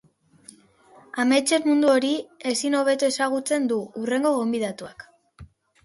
Ametsen mundu hori ezin hobeto ezagutzen du hurrengo gonbidatuak.